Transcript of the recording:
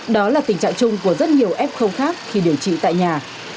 đó là tình trạng chung của rất nhiều ép không khác khi điều trị tại nhà